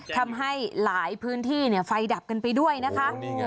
ทำให้หลายพื้นที่ไฟดับกันไปด้วยนะคะ